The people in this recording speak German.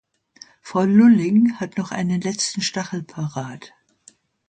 Frau Lulling hat noch einen letzten Stachel parat.